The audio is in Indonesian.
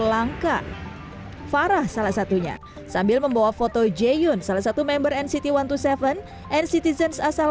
langka farah salah satunya sambil membawa foto je yun salah satu member nct satu ratus dua puluh tujuh and citizens asal